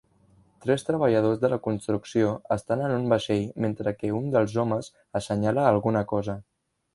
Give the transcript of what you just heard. Tres treballadors de la construcció estan en un vaixell mentre que un dels homes assenyala alguna cosa.